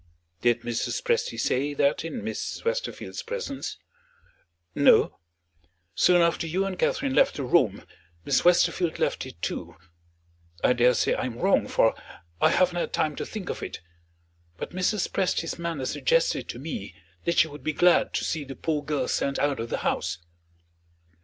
"Did Mrs. Presty say that in Miss Westerfield's presence?" "No. Soon after you and Catherine left the room, Miss Westerfield left it too. I daresay I am wrong, for I haven't had time to think of it; but Mrs. Presty's manner suggested to me that she would be glad to see the poor girl sent out of the house."